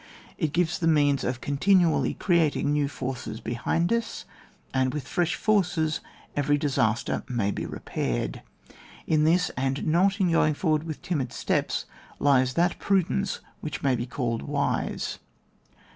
It gives the means of continually creating new forces behind us, and with fresh forces, every disastei^may be repaired. In this, and not in going forward with timid steps, lies that prudence which may be called wise.